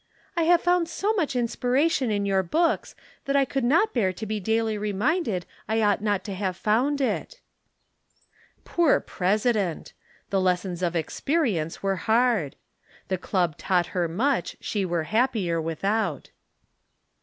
"I have found so much inspiration in your books that I could not bear to be daily reminded I ought not to have found it." Poor president! The lessons of experience were hard! The Club taught her much she were happier without.